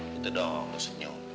gitu dong gue senyum